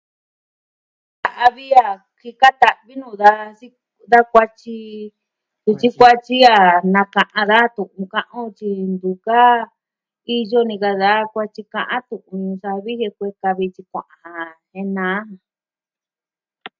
Ta'vi a, jika ta'vi nuu daja sikɨ da kuaty. Ku tyi kuatyi a naka'a daja tu'un ka'an o tyi ntu ka. Iyo ni ka daja kuatyi tu'un Ñuu Savi jen kueka vi tyi kua'an jen naa.